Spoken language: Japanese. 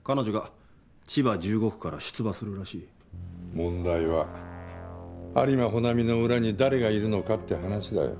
問題は有馬保奈美の裏に誰がいるのかって話だよ。